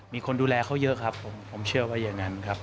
มีคนดูแลเขาเยอะครับผมผมเชื่อว่าอย่างนั้นครับ